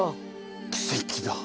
奇跡だ。